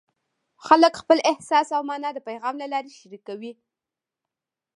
خلک خپل احساس او مانا د پیغام له لارې شریکوي.